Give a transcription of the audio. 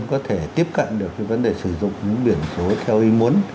có thể tiếp cận được cái vấn đề sử dụng những biển số theo ý muốn